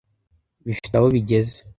bifite aho bigeze